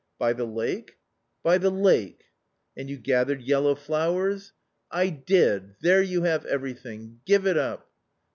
"By the lake?" " By the lake ?"" And you gathered yellow flowers ?"" I did. There you have everything. Give it up